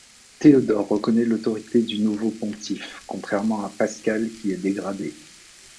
Théodore reconnaît l'autorité du nouveau Pontife, contrairement à Pascal qui est dégradé.